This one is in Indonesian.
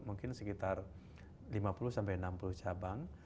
mungkin sekitar lima puluh sampai enam puluh cabang